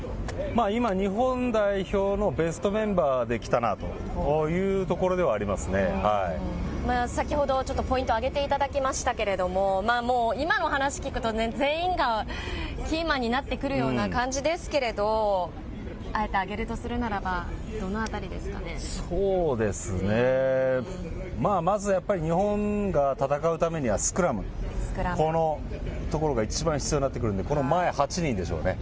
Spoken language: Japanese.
今、日本代表のベストメンバーで来たなというところではあり先ほど、ちょっとポイント挙げていただきましたけれども、今の話聞くと、全員がキーマンになってくるような感じですけれど、あえて挙げるとするならばどのあそうですね、まずやっぱり日本が戦うためにはスクラム、このところが一番必要になってくるんで、この前８人でしょうね。